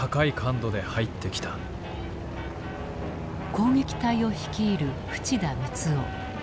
攻撃隊を率いる淵田美津雄。